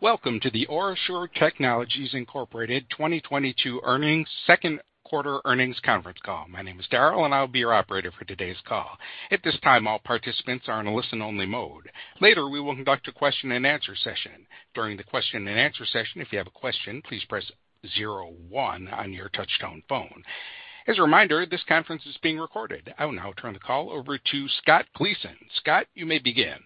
Welcome to the OraSure Technologies, Inc. 2022 earnings, second quarter earnings conference call. My name is Daryl, and I'll be your operator for today's call. At this time, all participants are in a listen-only mode. Later, we will conduct a question-and-answer session. During the question-and-answer session, if you have a question, please press zero one on your touchtone phone. As a reminder, this conference is being recorded. I will now turn the call over to Scott Gleason. Scott, you may begin.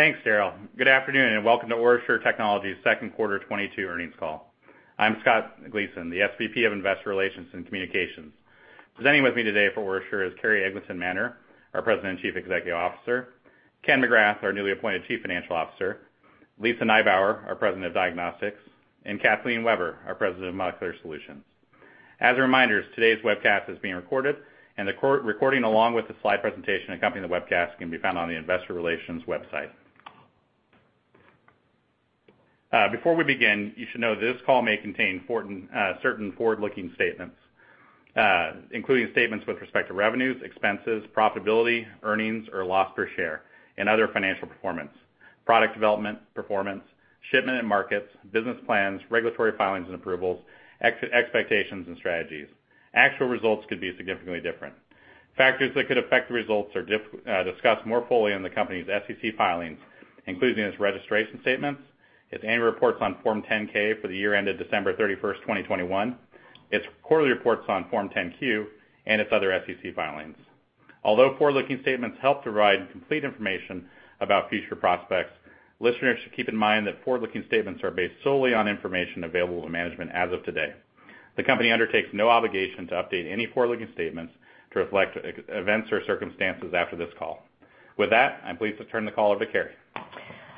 Thanks, Daryl. Good afternoon, and welcome to OraSure Technologies' second quarter 2022 earnings call. I'm Scott Gleason, the SVP of Investor Relations and Communications. Presenting with me today for OraSure is Carrie Eglinton Manner, our President and Chief Executive Officer, Ken McGrath, our newly appointed Chief Financial Officer, Lisa Nibauer, our President of Diagnostics, and Kathleen Weber, our President of Molecular Solutions. As a reminder, today's webcast is being recorded, and the recording, along with the slide presentation accompanying the webcast, can be found on the investor relations website. Before we begin, you should know this call may contain certain forward-looking statements, including statements with respect to revenues, expenses, profitability, earnings or loss per share, and other financial performance, product development, performance, shipment and markets, business plans, regulatory filings and approvals, expectations and strategies. Actual results could be significantly different. Factors that could affect the results are discussed more fully in the company's SEC filings, including its registration statements, its annual reports on Form 10-K for the year ended December 31, 2021, its quarterly reports on Form 10-Q, and its other SEC filings. Although forward-looking statements help provide complete information about future prospects, listeners should keep in mind that forward-looking statements are based solely on information available to management as of today. The company undertakes no obligation to update any forward-looking statements to reflect subsequent events or circumstances after this call. With that, I'm pleased to turn the call over to Carrie.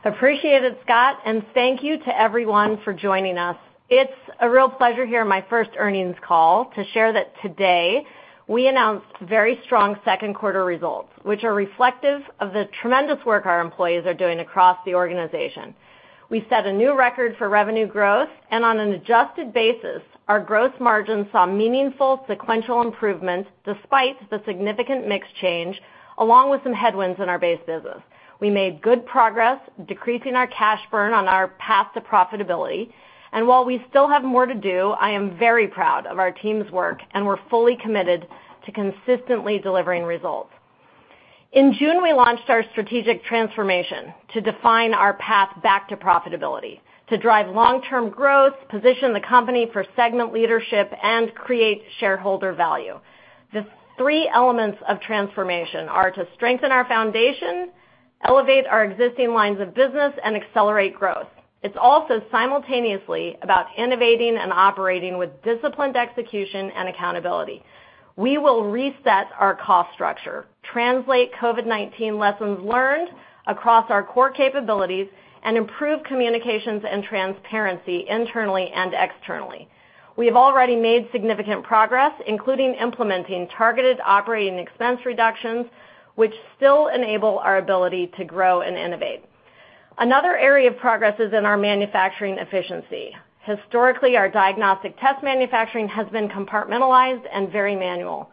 Appreciated, Scott, and thank you to everyone for joining us. It's a real pleasure here on my first earnings call to share that today we announced very strong second quarter results, which are reflective of the tremendous work our employees are doing across the organization. We set a new record for revenue growth, and on an adjusted basis, our gross margin saw meaningful sequential improvements despite the significant mix change, along with some headwinds in our base business. We made good progress decreasing our cash burn on our path to profitability. While we still have more to do, I am very proud of our team's work, and we're fully committed to consistently delivering results. In June, we launched our strategic transformation to define our path back to profitability, to drive long-term growth, position the company for segment leadership, and create shareholder value. The three elements of transformation are to strengthen our foundation, elevate our existing lines of business, and accelerate growth. It's also simultaneously about innovating and operating with disciplined execution and accountability. We will reset our cost structure, translate COVID-19 lessons learned across our core capabilities, and improve communications and transparency internally and externally. We have already made significant progress, including implementing targeted operating expense reductions, which still enable our ability to grow and innovate. Another area of progress is in our manufacturing efficiency. Historically, our diagnostic test manufacturing has been compartmentalized and very manual.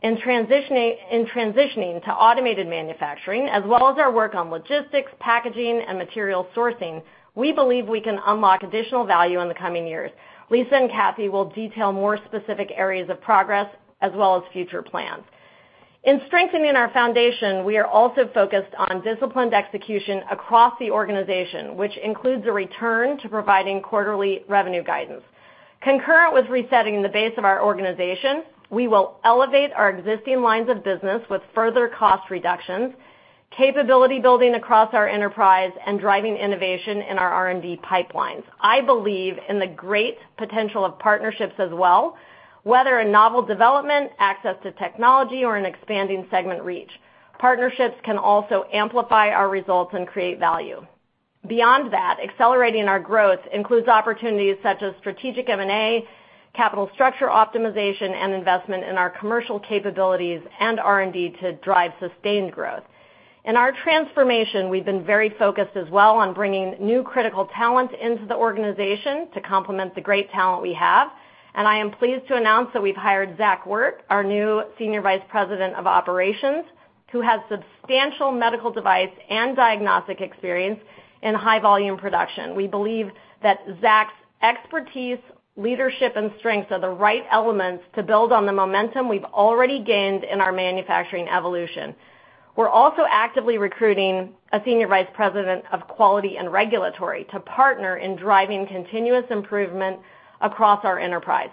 In transitioning to automated manufacturing, as well as our work on logistics, packaging, and material sourcing, we believe we can unlock additional value in the coming years. Lisa and Kathy will detail more specific areas of progress as well as future plans. In strengthening our foundation, we are also focused on disciplined execution across the organization, which includes a return to providing quarterly revenue guidance. Concurrent with resetting the base of our organization, we will elevate our existing lines of business with further cost reductions, capability building across our enterprise, and driving innovation in our R&D pipelines. I believe in the great potential of partnerships as well, whether a novel development, access to technology, or an expanding segment reach. Partnerships can also amplify our results and create value. Beyond that, accelerating our growth includes opportunities such as strategic M&A, capital structure optimization, and investment in our commercial capabilities and R&D to drive sustained growth. In our transformation, we've been very focused as well on bringing new critical talent into the organization to complement the great talent we have, and I am pleased to announce that we've hired Zach Wert, our new Senior Vice President of Operations, who has substantial medical device and diagnostic experience in high-volume production. We believe that Zach's expertise, leadership, and strengths are the right elements to build on the momentum we've already gained in our manufacturing evolution. We're also actively recruiting a Senior Vice President of Quality and Regulatory to partner in driving continuous improvement across our enterprise.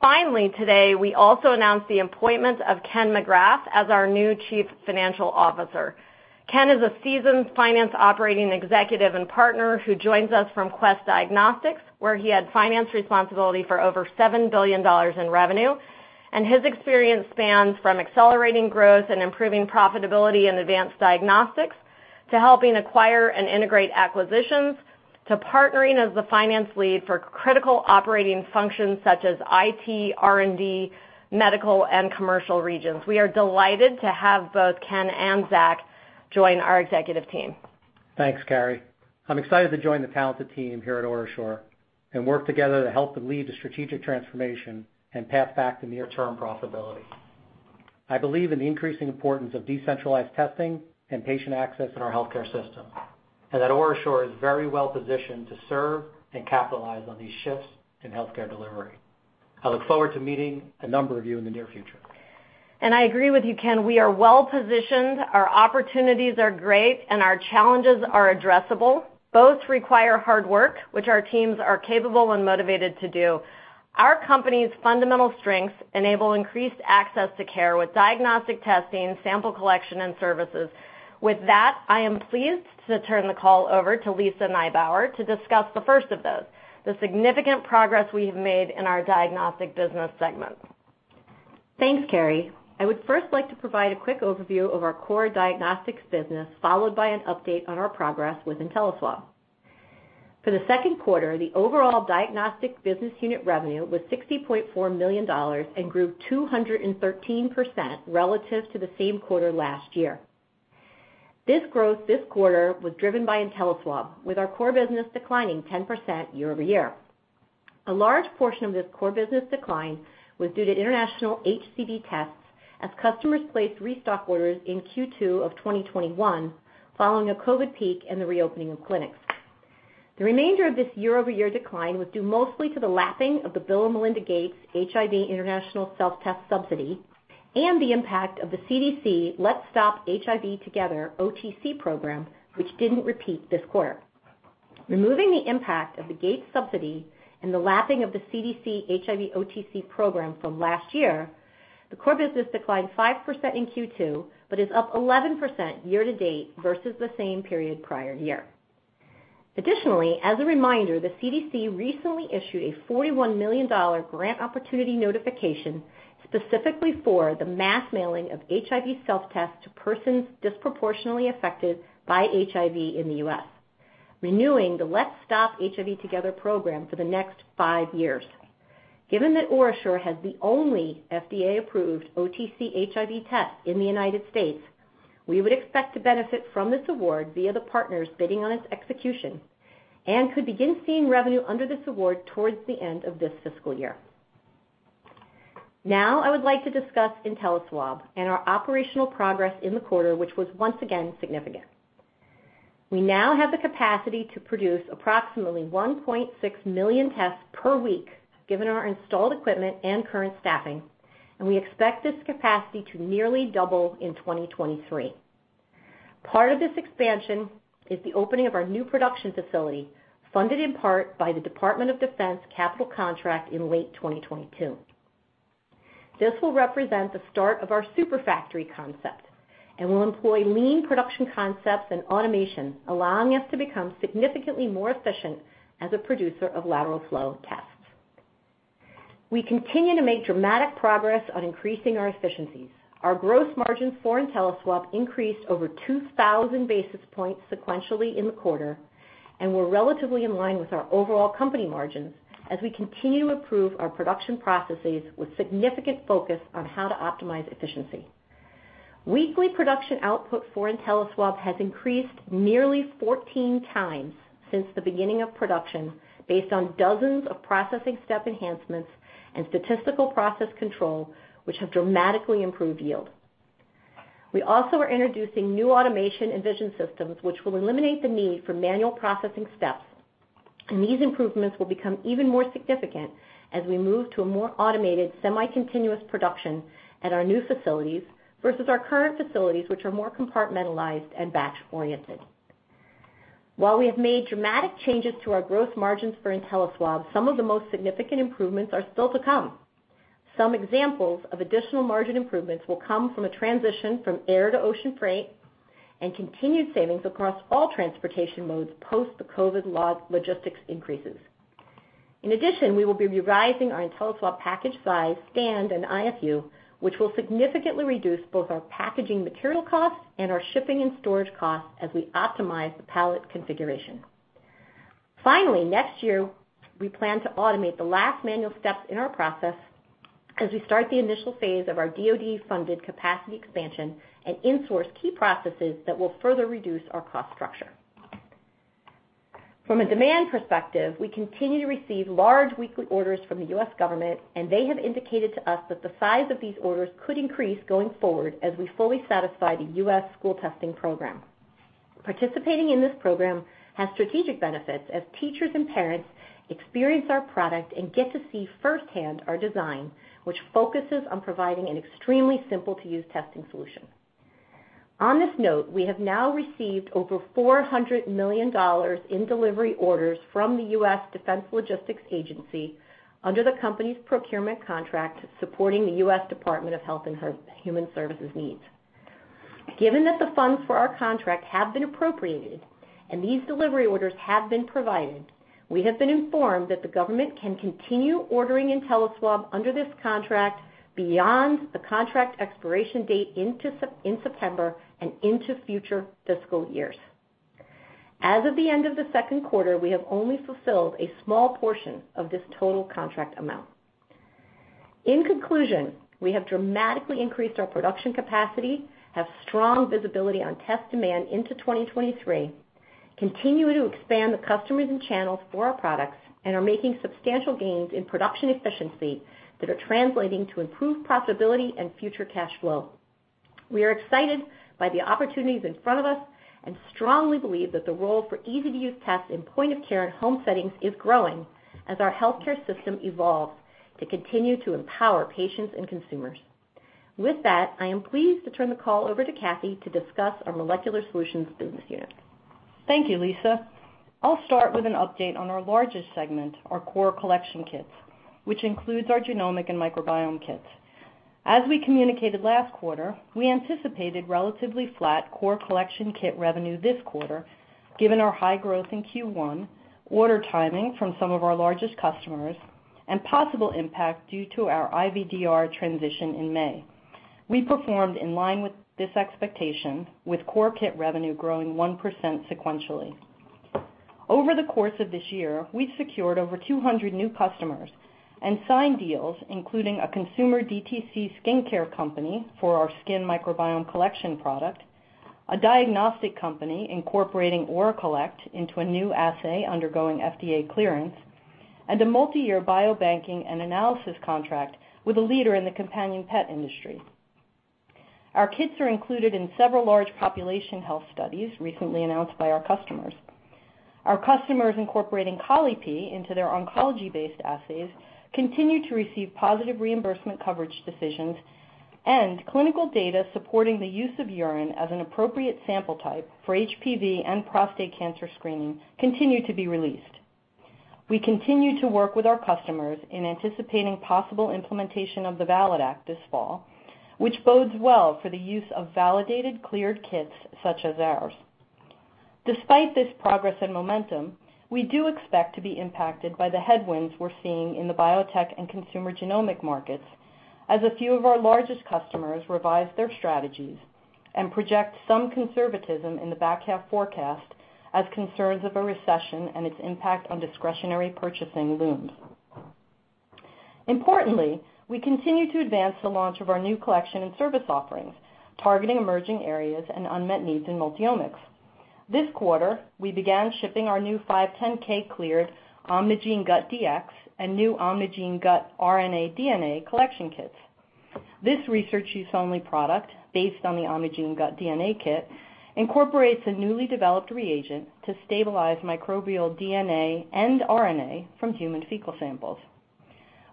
Finally, today, we also announced the appointment of Ken McGrath as our new Chief Financial Officer. Ken is a seasoned financial operating executive and partner who joins us from Quest Diagnostics, where he had financial responsibility for over $7 billion in revenue, and his experience spans from accelerating growth and improving profitability in advanced diagnostics to helping acquire and integrate acquisitions to partnering as the financial lead for critical operating functions such as IT, R&D, medical, and commercial regions. We are delighted to have both Ken and Zach join our executive team. Thanks, Carrie. I'm excited to join the talented team here at OraSure and work together to help them lead the strategic transformation and path back to near-term profitability. I believe in the increasing importance of decentralized testing and patient access in our healthcare system, and that OraSure is very well-positioned to serve and capitalize on these shifts in healthcare delivery. I look forward to meeting a number of you in the near future. I agree with you, Ken. We are well-positioned, our opportunities are great, and our challenges are addressable. Both require hard work, which our teams are capable and motivated to do. Our company's fundamental strengths enable increased access to care with diagnostic testing, sample collection, and services. With that, I am pleased to turn the call over to Lisa Nibauer to discuss the first of those, the significant progress we have made in our diagnostic business segment. Thanks, Carrie. I would first like to provide a quick overview of our core diagnostics business, followed by an update on our progress with InteliSwab. For the second quarter, the overall diagnostic business unit revenue was $60.4 million and grew 213% relative to the same quarter last year. This growth this quarter was driven by InteliSwab, with our core business declining 10% year-over-year. A large portion of this core business decline was due to international HCV tests, as customers placed restock orders in Q2 of 2021 following a COVID-19 peak and the reopening of clinics. The remainder of this year-over-year decline was due mostly to the lapping of the Bill & Melinda Gates HIV International Self-Test Subsidy and the impact of the CDC Let's Stop HIV Together OTC program, which didn't repeat this quarter. Removing the impact of the Gates subsidy and the lapping of the CDC HIV OTC program from last year, the core business declined 5% in Q2, but is up 11% year to date versus the same period prior year. Additionally, as a reminder, the CDC recently issued a $41 million grant opportunity notification specifically for the mass mailing of HIV self-test to persons disproportionately affected by HIV in the U.S., renewing the Let's Stop HIV Together program for the next five years. Given that OraSure has the only FDA-approved OTC HIV test in the United States, we would expect to benefit from this award via the partners bidding on its execution and could begin seeing revenue under this award towards the end of this fiscal year. Now I would like to discuss InteliSwab and our operational progress in the quarter, which was once again significant. We now have the capacity to produce approximately 1.6 million tests per week, given our installed equipment and current staffing, and we expect this capacity to nearly double in 2023. Part of this expansion is the opening of our new production facility, funded in part by the Department of Defense capital contract in late 2022. This will represent the start of our super factory concept and will employ lean production concepts and automation, allowing us to become significantly more efficient as a producer of lateral flow tests. We continue to make dramatic progress on increasing our efficiencies. Our gross margins for InteliSwab increased over 2,000 basis points sequentially in the quarter and were relatively in line with our overall company margins as we continue to improve our production processes with significant focus on how to optimize efficiency. Weekly production output for InteliSwab has increased nearly 14 times since the beginning of production based on dozens of processing step enhancements and statistical process control, which have dramatically improved yield. We also are introducing new automation and vision systems, which will eliminate the need for manual processing steps. These improvements will become even more significant as we move to a more automated semi-continuous production at our new facilities versus our current facilities, which are more compartmentalized and batch-oriented. While we have made dramatic changes to our gross margins for InteliSwab, some of the most significant improvements are still to come. Some examples of additional margin improvements will come from a transition from air to ocean freight and continued savings across all transportation modes post the COVID-19 logistics increases. In addition, we will be revising our InteliSwab package size, stand, and IFU, which will significantly reduce both our packaging material costs and our shipping and storage costs as we optimize the pallet configuration. Finally, next year, we plan to automate the last manual steps in our process as we start the initial phase of our DoD-funded capacity expansion and insource key processes that will further reduce our cost structure. From a demand perspective, we continue to receive large weekly orders from the U.S. government, and they have indicated to us that the size of these orders could increase going forward as we fully satisfy the U.S. school testing program. Participating in this program has strategic benefits as teachers and parents experience our product and get to see firsthand our design, which focuses on providing an extremely simple-to-use testing solution. On this note, we have now received over $400 million in delivery orders from the U.S. Defense Logistics Agency under the company's procurement contract supporting the U.S. Department of Health and Human Services needs. Given that the funds for our contract have been appropriated and these delivery orders have been provided, we have been informed that the government can continue ordering InteliSwab under this contract beyond the contract expiration date into in September and into future fiscal years. As of the end of the second quarter, we have only fulfilled a small portion of this total contract amount. In conclusion, we have dramatically increased our production capacity, have strong visibility on test demand into 2023. Continue to expand the customers and channels for our products, and are making substantial gains in production efficiency that are translating to improved profitability and future cash flow. We are excited by the opportunities in front of us and strongly believe that the role for easy-to-use tests in point of care and home settings is growing as our healthcare system evolves to continue to empower patients and consumers. With that, I am pleased to turn the call over to Kathy to discuss our Molecular Solutions business unit. Thank you, Lisa. I'll start with an update on our largest segment, our core collection kits, which includes our genomic and microbiome kits. As we communicated last quarter, we anticipated relatively flat core collection kit revenue this quarter, given our high growth in Q1, order timing from some of our largest customers, and possible impact due to our IVDR transition in May. We performed in line with this expectation, with core kit revenue growing 1% sequentially. Over the course of this year, we've secured over 200 new customers and signed deals, including a consumer DTC skincare company for our skin microbiome collection product, a diagnostic company incorporating ORAcollect into a new assay undergoing FDA clearance, and a multi-year biobanking and analysis contract with a leader in the companion pet industry. Our kits are included in several large population health studies recently announced by our customers. Our customers incorporating Colli-Pee into their oncology-based assays continue to receive positive reimbursement coverage decisions and clinical data supporting the use of urine as an appropriate sample type for HPV and prostate cancer screening continue to be released. We continue to work with our customers in anticipating possible implementation of the VALID Act this fall, which bodes well for the use of validated, cleared kits such as ours. Despite this progress and momentum, we do expect to be impacted by the headwinds we're seeing in the biotech and consumer genomic markets as a few of our largest customers revise their strategies and project some conservatism in the back half forecast as concerns of a recession and its impact on discretionary purchasing looms. Importantly, we continue to advance the launch of our new collection and service offerings, targeting emerging areas and unmet needs in multi-omics. This quarter, we began shipping our new 510(k) cleared OMNIgene•GUT Dx and new OMNIgene•GUT DNA and RNA collection kits. This research use only product, based on the OMNIgene•GUT DNA kit, incorporates a newly developed reagent to stabilize microbial DNA and RNA from human fecal samples.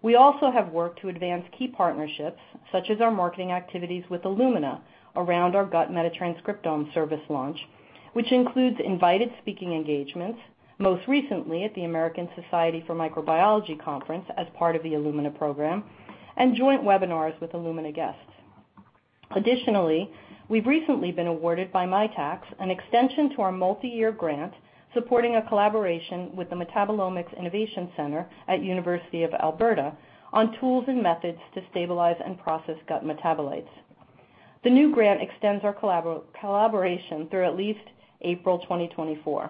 We also have worked to advance key partnerships, such as our marketing activities with Illumina around our gut metatranscriptome service launch, which includes invited speaking engagements, most recently at the American Society for Microbiology Conference as part of the Illumina program, and joint webinars with Illumina guests. Additionally, we've recently been awarded by Mitacs an extension to our multi-year grant, supporting a collaboration with The Metabolomics Innovation Centre at University of Alberta on tools and methods to stabilize and process gut metabolites. The new grant extends our collaboration through at least April 2024.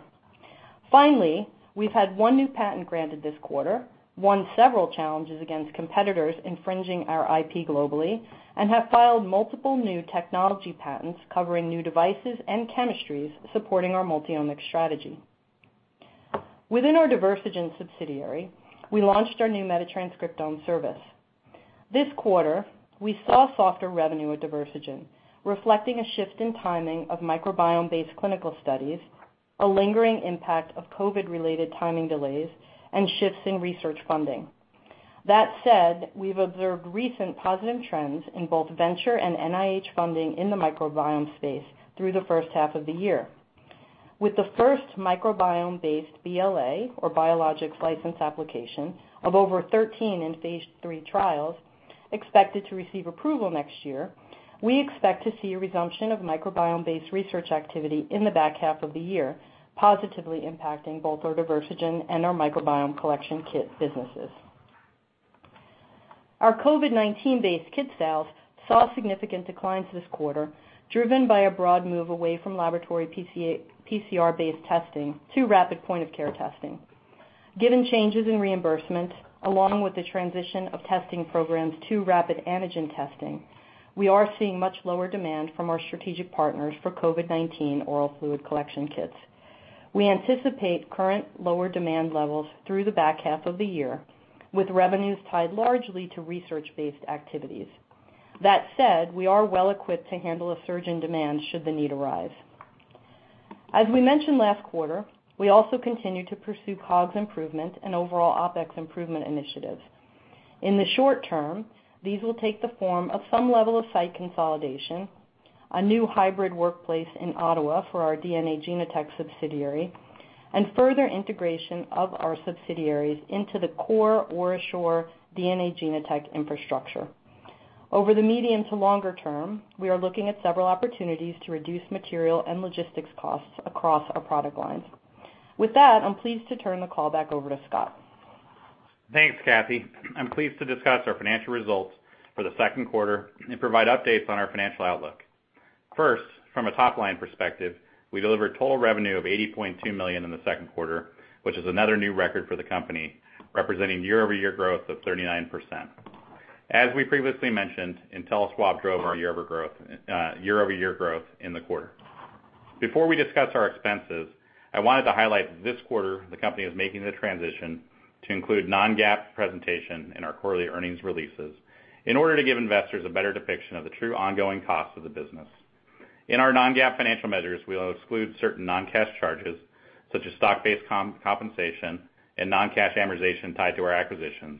Finally, we've had one new patent granted this quarter, won several challenges against competitors infringing our IP globally, and have filed multiple new technology patents covering new devices and chemistries supporting our multi-omics strategy. Within our Diversigen subsidiary, we launched our new metatranscriptome service. This quarter, we saw softer revenue at Diversigen, reflecting a shift in timing of microbiome-based clinical studies, a lingering impact of COVID-19-related timing delays, and shifts in research funding. That said, we've observed recent positive trends in both venture and NIH funding in the microbiome space through the first half of the year. With the first microbiome-based BLA, or biologics license application, of over 13 in phase three trials expected to receive approval next year, we expect to see a resumption of microbiome-based research activity in the back half of the year, positively impacting both our Diversigen and our microbiome collection kit businesses. Our COVID-19-based kit sales saw significant declines this quarter, driven by a broad move away from laboratory PCR-based testing to rapid point-of-care testing. Given changes in reimbursement, along with the transition of testing programs to rapid antigen testing, we are seeing much lower demand from our strategic partners for COVID-19 oral fluid collection kits. We anticipate current lower demand levels through the back half of the year, with revenues tied largely to research-based activities. That said, we are well equipped to handle a surge in demand should the need arise. As we mentioned last quarter, we also continue to pursue COGS improvement and overall OpEx improvement initiatives. In the short term, these will take the form of some level of site consolidation, a new hybrid workplace in Ottawa for our DNA Genotek subsidiary, and further integration of our subsidiaries into the core OraSure DNA Genotek infrastructure. Over the medium to longer term, we are looking at several opportunities to reduce material and logistics costs across our product lines. With that, I'm pleased to turn the call back over to Scott. Thanks, Kathy. I'm pleased to discuss our financial results for the second quarter and provide updates on our financial outlook. First, from a top-line perspective, we delivered total revenue of $80.2 million in the second quarter, which is another new record for the company, representing year-over-year growth of 39%. As we previously mentioned, InteliSwab drove our year-over-year growth in the quarter. Before we discuss our expenses, I wanted to highlight this quarter, the company is making the transition to include non-GAAP presentation in our quarterly earnings releases in order to give investors a better depiction of the true ongoing cost of the business. In our non-GAAP financial measures, we'll exclude certain non-cash charges, such as stock-based compensation and non-cash amortization tied to our acquisitions,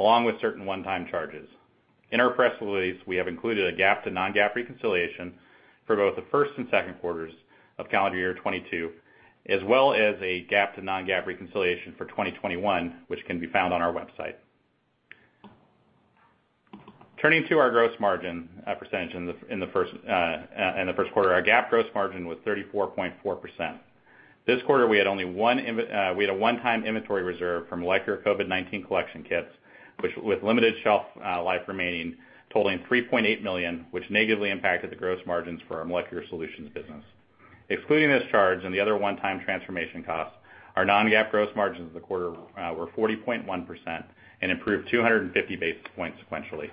along with certain one-time charges. In our press release, we have included a GAAP to non-GAAP reconciliation for both the first and second quarters of calendar year 2022, as well as a GAAP to non-GAAP reconciliation for 2021, which can be found on our website. Turning to our gross margin percentage in the first quarter, our GAAP gross margin was 34.4%. This quarter, we had a one-time inventory reserve from molecular COVID-19 collection kits, which, with limited shelf life remaining, totaling $3.8 million, which negatively impacted the gross margins for our molecular solutions business. Excluding this charge and the other one-time transformation costs, our non-GAAP gross margins for the quarter were 40.1% and improved 250 basis points sequentially.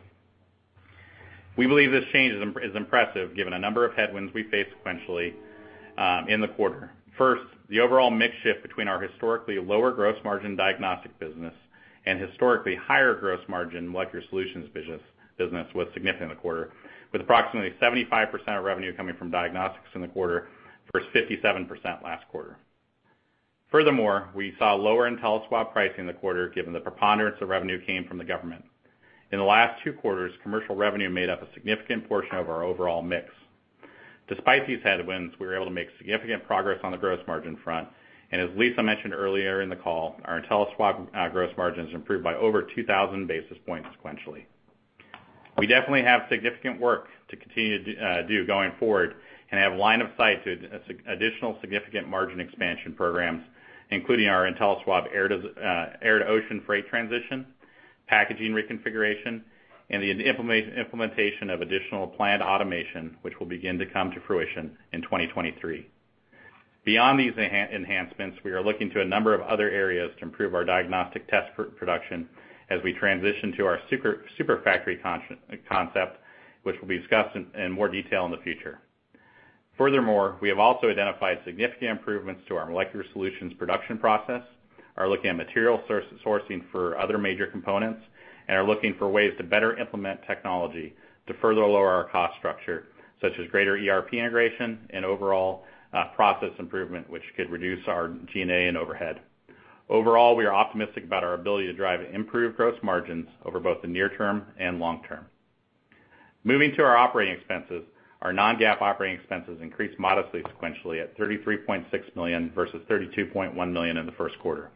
We believe this change is impressive given a number of headwinds we faced sequentially in the quarter. First, the overall mix shift between our historically lower gross margin diagnostic business and historically higher gross margin molecular solutions business was significant in the quarter, with approximately 75% of revenue coming from diagnostics in the quarter versus 57% last quarter. Furthermore, we saw lower InteliSwab pricing in the quarter, given the preponderance of revenue came from the government. In the last two quarters, commercial revenue made up a significant portion of our overall mix. Despite these headwinds, we were able to make significant progress on the gross margin front, and as Lisa mentioned earlier in the call, our InteliSwab gross margins improved by over 2000 basis points sequentially. We definitely have significant work to continue to do going forward and have line of sight to additional significant margin expansion programs, including our InteliSwab air to ocean freight transition, packaging reconfiguration, and the implementation of additional planned automation, which will begin to come to fruition in 2023. Beyond these enhancements, we are looking to a number of other areas to improve our diagnostic test production as we transition to our super factory concept, which will be discussed in more detail in the future. Furthermore, we have also identified significant improvements to our molecular solutions production process, are looking at material sourcing for other major components, and are looking for ways to better implement technology to further lower our cost structure, such as greater ERP integration and overall process improvement, which could reduce our G&A and overhead. Overall, we are optimistic about our ability to drive improved gross margins over both the near term and long term. Moving to our operating expenses, our non-GAAP operating expenses increased modestly sequentially at $33.6 million versus $32.1 million in the first quarter.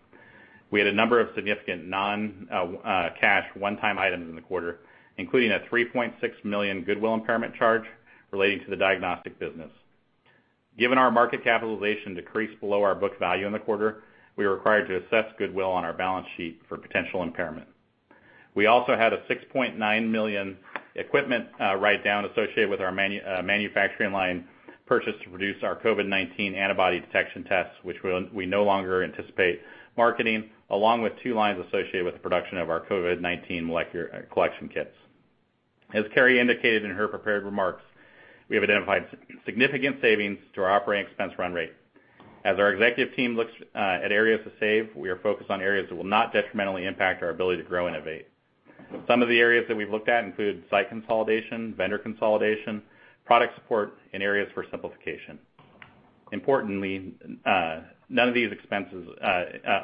We had a number of significant non-cash one-time items in the quarter, including a $3.6 million goodwill impairment charge relating to the diagnostic business. Given our market capitalization decreased below our book value in the quarter, we were required to assess goodwill on our balance sheet for potential impairment. We also had a $6.9 million equipment write-down associated with our manufacturing line purchase to produce our COVID-19 antibody detection tests, which we no longer anticipate marketing, along with two lines associated with the production of our COVID-19 molecular collection kits. As Carrie indicated in her prepared remarks, we have identified significant savings to our operating expense run rate. As our executive team looks at areas to save, we are focused on areas that will not detrimentally impact our ability to grow and innovate. Some of the areas that we've looked at include site consolidation, vendor consolidation, product support, and areas for simplification. Importantly, none of these expenses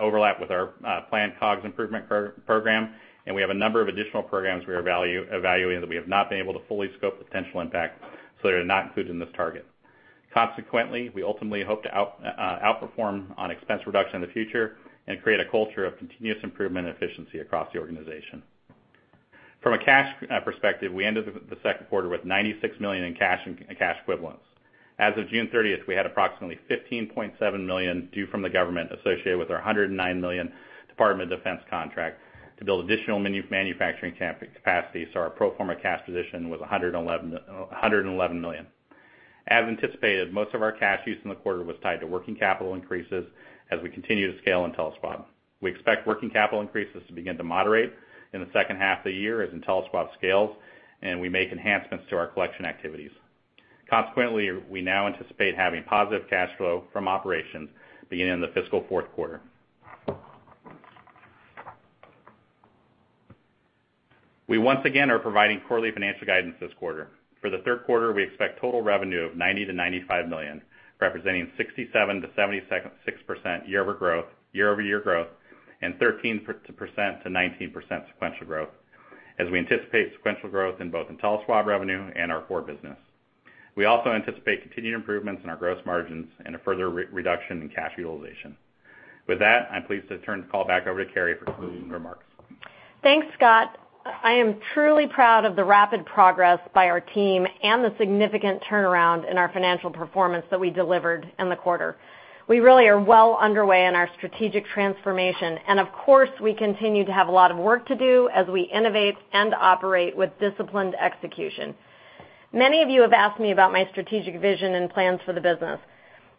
overlap with our planned COGS improvement program, and we have a number of additional programs we are evaluating that we have not been able to fully scope the potential impact, so they are not included in this target. Consequently, we ultimately hope to outperform on expense reduction in the future and create a culture of continuous improvement and efficiency across the organization. From a cash perspective, we ended the second quarter with $96 million in cash and cash equivalents. As of June thirtieth, we had approximately $15.7 million due from the government associated with our $109 million Department of Defense contract to build additional manufacturing capacity, so our pro forma cash position was $111 million. As anticipated, most of our cash use in the quarter was tied to working capital increases as we continue to scale InteliSwab. We expect working capital increases to begin to moderate in the second half of the year as InteliSwab scales and we make enhancements to our collection activities. Consequently, we now anticipate having positive cash flow from operations beginning in the fiscal fourth quarter. We once again are providing quarterly financial guidance this quarter. For the third quarter, we expect total revenue of $90 million-$95 million, representing 67%-76% year-over-year growth and 13%-19% sequential growth, as we anticipate sequential growth in both InteliSwab revenue and our core business. We also anticipate continued improvements in our gross margins and a further reduction in cash utilization. With that, I'm pleased to turn the call back over to Carrie for concluding remarks. Thanks, Scott. I am truly proud of the rapid progress by our team and the significant turnaround in our financial performance that we delivered in the quarter. We really are well underway in our strategic transformation, and of course, we continue to have a lot of work to do as we innovate and operate with disciplined execution. Many of you have asked me about my strategic vision and plans for the business.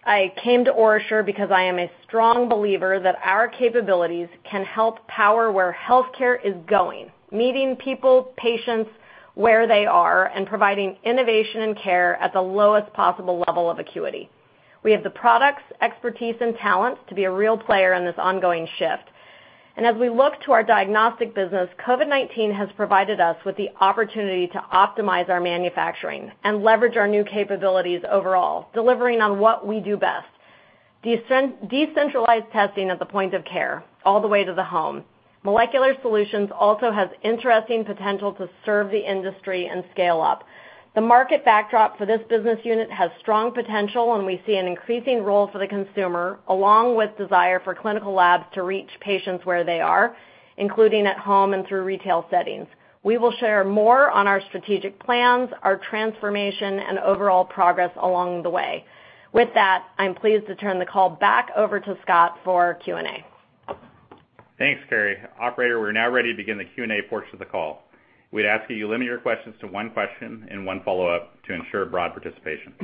I came to OraSure because I am a strong believer that our capabilities can help power where healthcare is going, meeting people, patients where they are, and providing innovation and care at the lowest possible level of acuity. We have the products, expertise, and talents to be a real player in this ongoing shift. As we look to our diagnostic business, COVID-19 has provided us with the opportunity to optimize our manufacturing and leverage our new capabilities overall, delivering on what we do best, decentralized testing at the point of care all the way to the home. Molecular Solutions also has interesting potential to serve the industry and scale up. The market backdrop for this business unit has strong potential, and we see an increasing role for the consumer, along with desire for clinical labs to reach patients where they are, including at home and through retail settings. We will share more on our strategic plans, our transformation, and overall progress along the way. With that, I'm pleased to turn the call back over to Scott for Q&A. Thanks, Carrie. Operator, we're now ready to begin the Q&A portion of the call. We'd ask that you limit your questions to one question and one follow-up to ensure broad participation.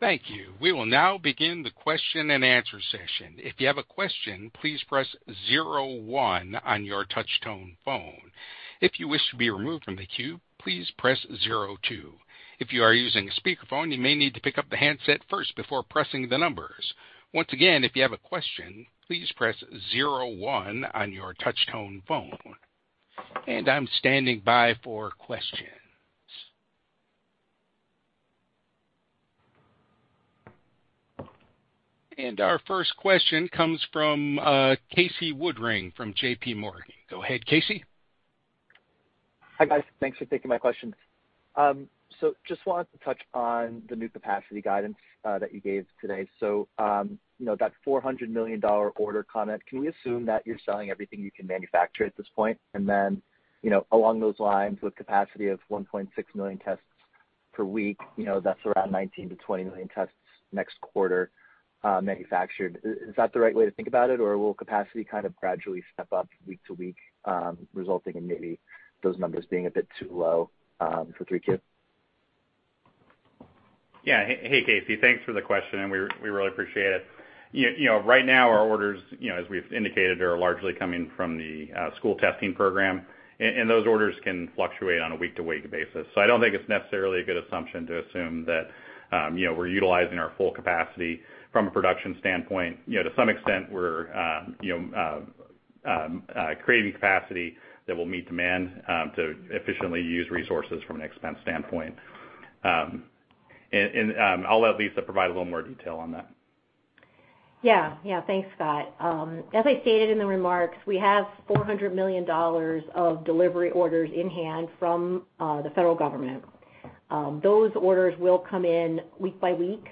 Thank you. We will now begin the question-and-answer session. If you have a question, please press zero one on your touch tone phone. If you wish to be removed from the queue, please press zero two. If you are using a speakerphone, you may need to pick up the handset first before pressing the numbers. Once again, if you have a question, please press zero one on your touch tone phone. I'm standing by for questions. Our first question comes from Casey Woodring from J.P. Morgan. Go ahead, Casey. Hi, guys. Thanks for taking my question. Just wanted to touch on the new capacity guidance that you gave today. You know, that $400 million order comment, can we assume that you're selling everything you can manufacture at this point? You know, along those lines, with capacity of 1.6 million tests per week, you know, that's around 19-20 million tests next quarter manufactured. Is that the right way to think about it, or will capacity kind of gradually step up week to week, resulting in maybe those numbers being a bit too low for 3Q? Yeah. Hey, Casey. Thanks for the question, and we really appreciate it. You know, right now our orders, you know, as we've indicated, are largely coming from the school testing program. Those orders can fluctuate on a week-to-week basis. I don't think it's necessarily a good assumption to assume that, you know, we're utilizing our full capacity from a production standpoint. You know, to some extent, we're creating capacity that will meet demand to efficiently use resources from an expense standpoint. I'll let Lisa provide a little more detail on that. Yeah. Yeah. Thanks, Scott. As I stated in the remarks, we have $400 million of delivery orders in hand from the federal government. Those orders will come in week by week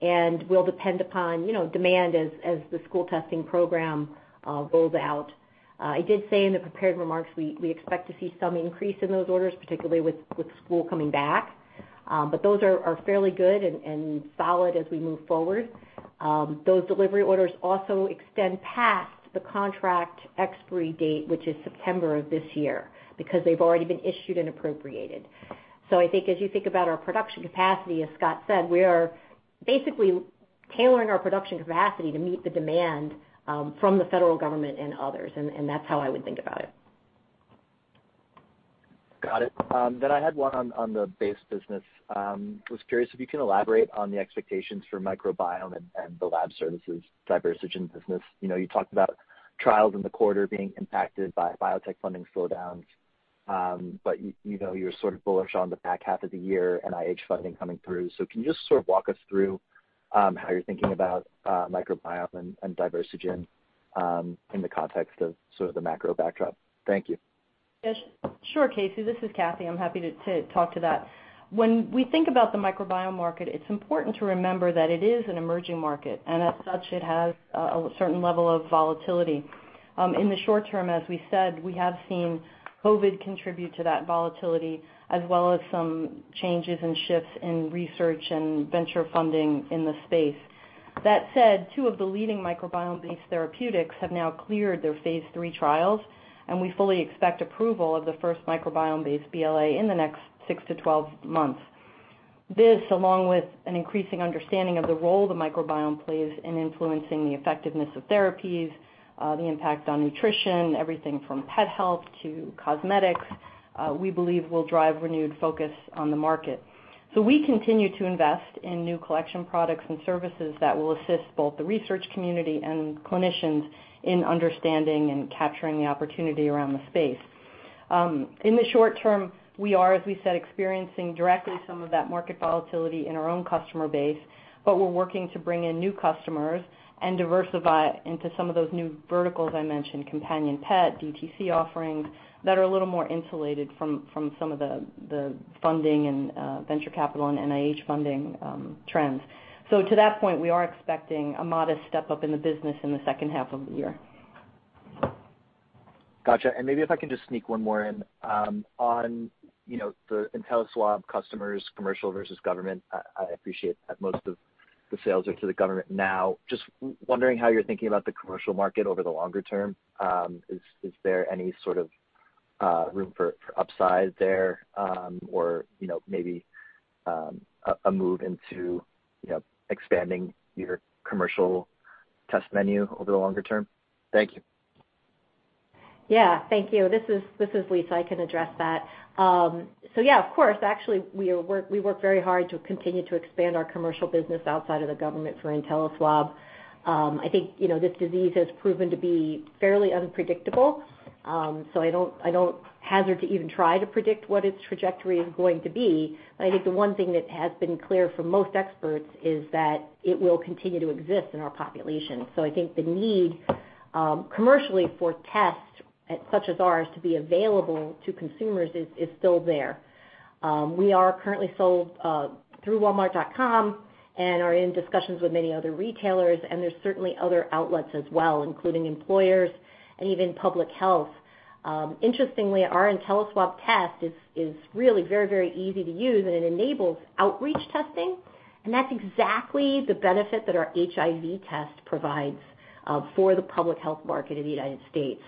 and will depend upon, you know, demand as the school testing program rolls out. I did say in the prepared remarks we expect to see some increase in those orders, particularly with school coming back. Those are fairly good and solid as we move forward. Those delivery orders also extend past the contract expiry date, which is September of this year, because they've already been issued and appropriated. I think as you think about our production capacity, as Scott said, we are basically tailoring our production capacity to meet the demand from the federal government and others. That's how I would think about it. Got it. I had one on the base business. Was curious if you can elaborate on the expectations for microbiome and the lab services Diversigen business. You know, you talked about trials in the quarter being impacted by biotech funding slowdowns. You know, you're sort of bullish on the back half of the year, NIH funding coming through. Can you just sort of walk us through how you're thinking about microbiome and Diversigen in the context of sort of the macro backdrop? Thank you. Yes. Sure, Casey. This is Kathy. I'm happy to talk to that. When we think about the microbiome market, it's important to remember that it is an emerging market, and as such, it has a certain level of volatility. In the short term, as we said, we have seen COVID contribute to that volatility, as well as some changes and shifts in research and venture funding in the space. That said, 2 of the leading microbiome-based therapeutics have now cleared their phase 3 trials, and we fully expect approval of the first microbiome-based BLA in the next 6-12 months. This, along with an increasing understanding of the role the microbiome plays in influencing the effectiveness of therapies, the impact on nutrition, everything from pet health to cosmetics, we believe will drive renewed focus on the market. We continue to invest in new collection products and services that will assist both the research community and clinicians in understanding and capturing the opportunity around the space. In the short term, we are, as we said, experiencing directly some of that market volatility in our own customer base, but we're working to bring in new customers and diversify into some of those new verticals I mentioned, companion pet, DTC offerings, that are a little more insulated from some of the funding and venture capital and NIH funding trends. To that point, we are expecting a modest step-up in the business in the second half of the year. Gotcha. Maybe if I can just sneak one more in. On, you know, the InteliSwab customers, commercial versus government, I appreciate that most of The sales are to the government now. Just wondering how you're thinking about the commercial market over the longer term. Is there any sort of room for upside there, or you know, maybe a move into expanding your commercial test menu over the longer term? Thank you. Yeah, thank you. This is Lisa. I can address that. Yeah, of course. Actually, we work very hard to continue to expand our commercial business outside of the government for InteliSwab. I think, you know, this disease has proven to be fairly unpredictable. I don't hazard to even try to predict what its trajectory is going to be. I think the one thing that has been clear for most experts is that it will continue to exist in our population. I think the need commercially for tests, such as ours, to be available to consumers is still there. We are currently sold through Walmart.com and are in discussions with many other retailers, and there's certainly other outlets as well, including employers and even public health. Interestingly, our InteliSwab test is really very easy to use and it enables outreach testing, and that's exactly the benefit that our HIV test provides for the public health market in the United States.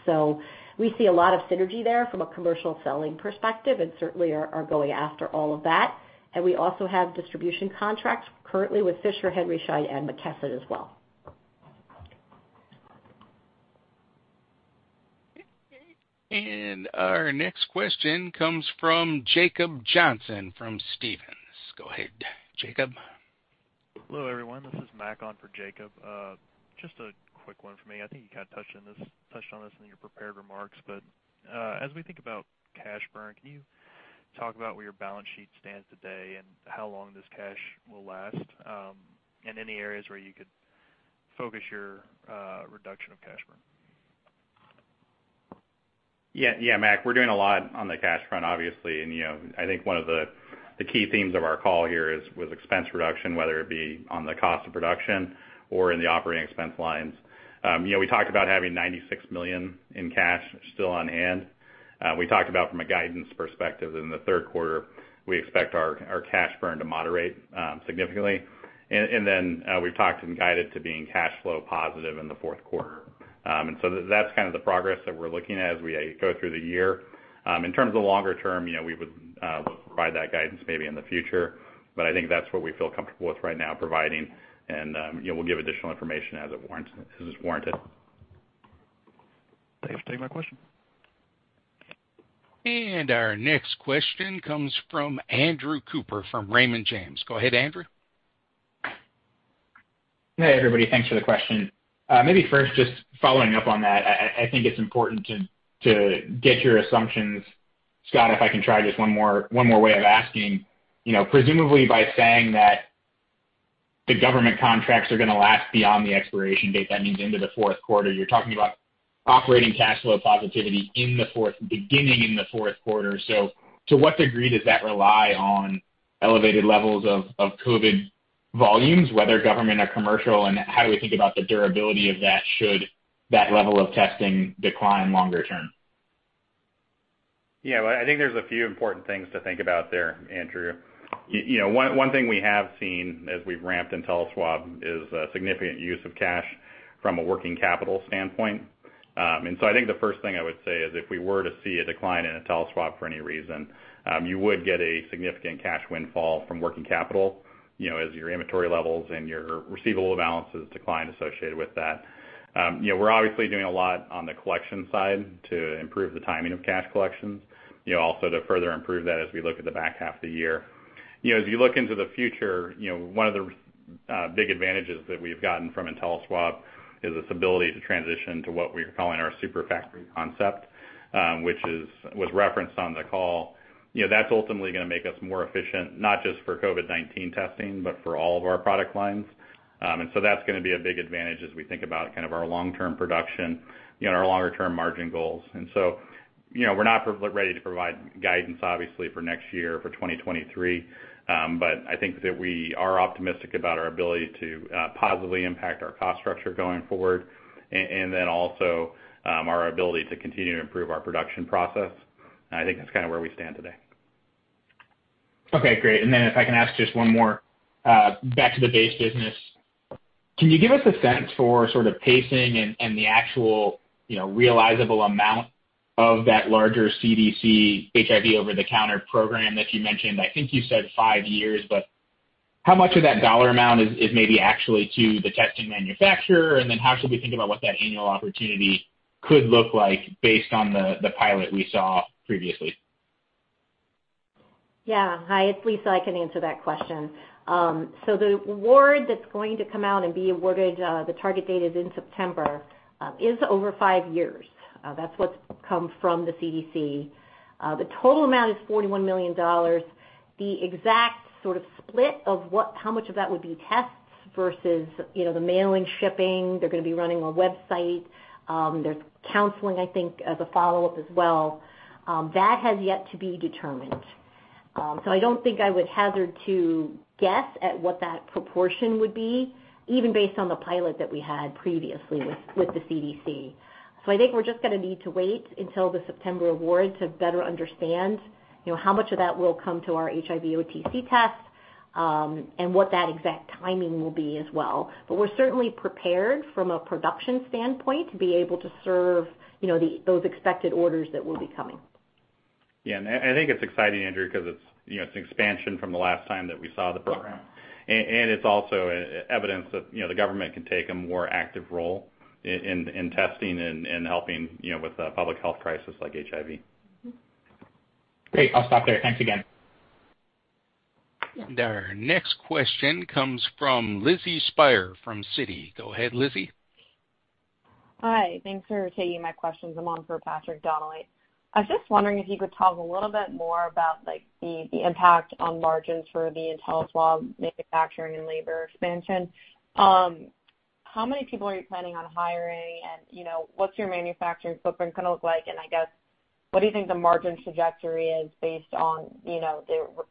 We see a lot of synergy there from a commercial selling perspective, and certainly are going after all of that. We also have distribution contracts currently with Fisher, Henry Schein and McKesson as well. Our next question comes from Jacob Johnson, from Stephens. Go ahead, Jacob. Hello, everyone. This is Mac on for Jacob. Just a quick one for me. I think you kind of touched on this in your prepared remarks. As we think about cash burn, can you talk about where your balance sheet stands today and how long this cash will last, and any areas where you could focus your reduction of cash burn? Yeah. Yeah, Mac, we're doing a lot on the cash front, obviously. You know, I think one of the key themes of our call here was expense reduction, whether it be on the cost of production or in the operating expense lines. You know, we talked about having $96 million in cash still on hand. We talked about from a guidance perspective in the third quarter, we expect our cash burn to moderate significantly. Then, we've talked and guided to being cash flow positive in the fourth quarter. That's kind of the progress that we're looking at as we go through the year. In terms of longer term, you know, we would provide that guidance maybe in the future, but I think that's what we feel comfortable with right now providing. You know, we'll give additional information as is warranted. Thanks for taking my question. Our next question comes from Andrew Cooper, from Raymond James. Go ahead, Andrew. Hey, everybody. Thanks for the question. Maybe first, just following up on that, I think it's important to get your assumptions, Scott, if I can try just one more way of asking. You know, presumably by saying that the government contracts are gonna last beyond the expiration date, that means into the fourth quarter. You're talking about operating cash flow positivity beginning in the fourth quarter. To what degree does that rely on elevated levels of COVID volumes, whether government or commercial, and how do we think about the durability of that should that level of testing decline longer term? Yeah. Well, I think there's a few important things to think about there, Andrew. You know, one thing we have seen as we've ramped InteliSwab is a significant use of cash from a working capital standpoint. I think the first thing I would say is if we were to see a decline in InteliSwab for any reason, you would get a significant cash windfall from working capital, you know, as your inventory levels and your receivable balances decline associated with that. You know, we're obviously doing a lot on the collection side to improve the timing of cash collections, you know, also to further improve that as we look at the back half of the year. You know, as you look into the future, you know, one of the big advantages that we've gotten from InteliSwab is its ability to transition to what we are calling our super factory concept, which was referenced on the call. You know, that's ultimately gonna make us more efficient, not just for COVID-19 testing, but for all of our product lines. That's gonna be a big advantage as we think about kind of our long-term production, you know, our longer term margin goals. You know, we're not ready to provide guidance, obviously, for next year, for 2023. But I think that we are optimistic about our ability to positively impact our cost structure going forward, and then also our ability to continue to improve our production process. I think that's kind of where we stand today. Okay, great. Then if I can ask just one more, back to the base business. Can you give us a sense for sort of pacing and the actual, you know, realizable amount of that larger CDC HIV over-the-counter program that you mentioned? I think you said 5 years, but how much of that dollar amount is maybe actually to the testing manufacturer, and then how should we think about what that annual opportunity could look like based on the pilot we saw previously? Yeah. Hi, it's Lisa. I can answer that question. The award that's going to come out and be awarded, the target date is in September, is over 5 years. That's what's come from the CDC. The total amount is $41 million. The exact sort of split of what how much of that would be tests versus, you know, the mailing, shipping. They're gonna be running a website. There's counseling, I think, as a follow-up as well. That has yet to be determined. I don't think I would hazard to guess at what that proportion would be, even based on the pilot that we had previously with the CDC. I think we're just gonna need to wait until the September award to better understand. You know, how much of that will come to our HIV OTC test, and what that exact timing will be as well. We're certainly prepared from a production standpoint to be able to serve, you know, the, those expected orders that will be coming. Yeah. I think it's exciting, Andrew, because it's, you know, it's an expansion from the last time that we saw the program. Mm-hmm. It's also evidence that, you know, the government can take a more active role in testing and helping, you know, with a public health crisis like HIV. Mm-hmm. Great. I'll stop there. Thanks again. Yeah. Our next question comes from Lizzie Speyer from Citi. Go ahead, Lizzie. Hi. Thanks for taking my questions. I'm on for Patrick Donnelly. I was just wondering if you could talk a little bit more about, like, the impact on margins for the InteliSwab manufacturing and labor expansion. How many people are you planning on hiring? And, you know, what's your manufacturing footprint gonna look like? And I guess, what do you think the margin trajectory is based on, you know,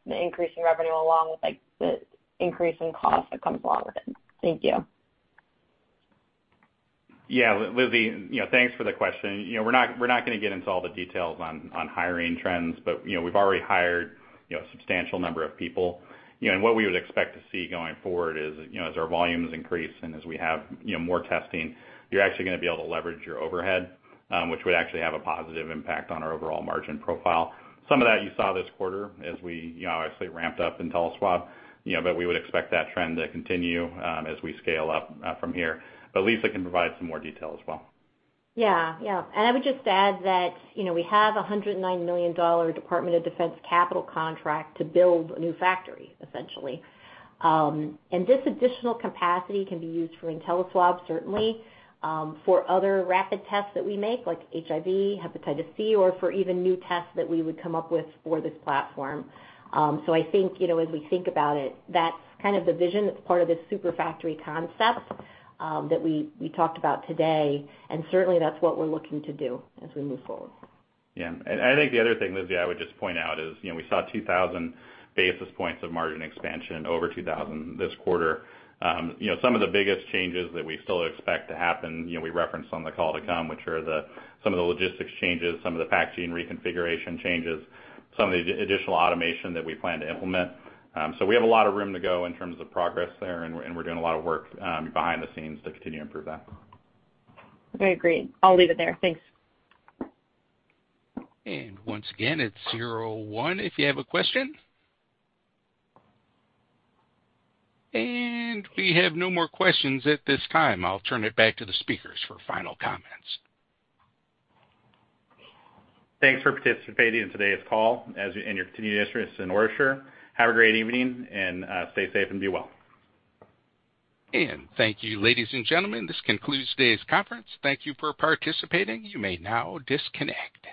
the increase in revenue along with, like, the increase in cost that comes along with it? Thank you. Yeah. Lizzie, you know, thanks for the question. You know, we're not gonna get into all the details on hiring trends, but, you know, we've already hired, you know, a substantial number of people. You know, and what we would expect to see going forward is, you know, as our volumes increase and as we have, you know, more testing, you're actually gonna be able to leverage your overhead, which would actually have a positive impact on our overall margin profile. Some of that you saw this quarter as we, you know, obviously ramped up InteliSwab, you know, but we would expect that trend to continue, as we scale up from here. But Lisa can provide some more detail as well. I would just add that, you know, we have a $109 million Department of Defense capital contract to build a new factory, essentially. This additional capacity can be used for InteliSwab certainly, for other rapid tests that we make, like HIV, hepatitis C, or for even new tests that we would come up with for this platform. So I think, you know, as we think about it, that's kind of the vision. It's part of this super factory concept, that we talked about today, and certainly that's what we're looking to do as we move forward. Yeah. I think the other thing, Lizzie, I would just point out is, you know, we saw 2,000 basis points of margin expansion, over 2,000 this quarter. You know, some of the biggest changes that we still expect to happen, you know, we referenced on the call to come, which are the some of the logistics changes, some of the packaging reconfiguration changes, some of the additional automation that we plan to implement. So we have a lot of room to go in terms of progress there, and we're doing a lot of work behind the scenes to continue to improve that. Okay, great. I'll leave it there. Thanks. Once again, it's 01 if you have a question. We have no more questions at this time. I'll turn it back to the speakers for final comments. Thanks for participating in today's call, and your continued interest in OraSure. Have a great evening, and stay safe and be well. Thank you, ladies and gentlemen. This concludes today's conference. Thank you for participating. You may now disconnect.